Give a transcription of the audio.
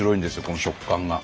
この食感が。